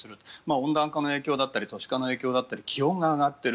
温暖化の影響だったり都市化の影響だったり気温が上がっている。